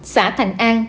xã thành an